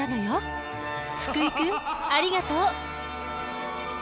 福井くんありがとう。